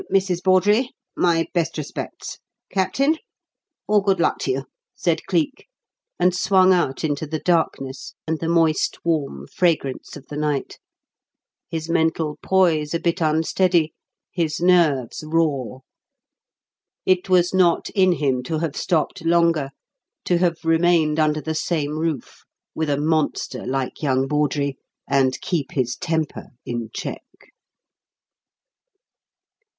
Mrs. Bawdrey, my best respects. Captain, all good luck to you," said Cleek and swung out into the darkness and the moist, warm fragrance of the night; his mental poise a bit unsteady, his nerves raw. It was not in him to have stopped longer, to have remained under the same roof with a monster like young Bawdrey and keep his temper in check.